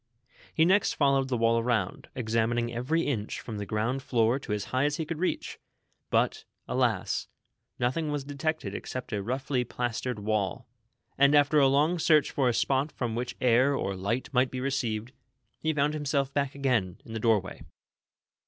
lie next followed the wall around, examining every inch from the ground Hoor to as higli as he could reach ; but, alas, nothing was detected except a rougnly plastered wall ; and after a long search for a spot from wnich air or light might be received, he found himself back again to the doorway.